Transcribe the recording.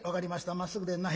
まっすぐでんな。